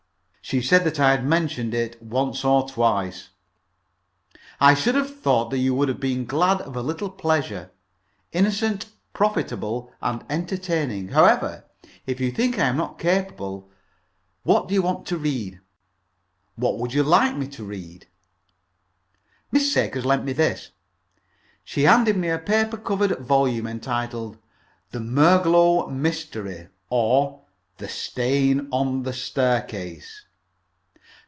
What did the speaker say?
She said that I had mentioned it once or twice. "I should have thought that you would have been glad of a little pleasure innocent, profitable, and entertaining. However, if you think I am not capable of " "What do you want to read?" "What would you like me to read?" "Miss Sakers lent me this." She handed me a paper covered volume, entitled, "The Murglow Mystery; or, The Stain on the Staircase."